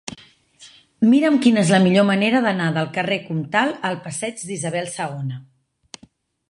Mira'm quina és la millor manera d'anar del carrer Comtal al passeig d'Isabel II.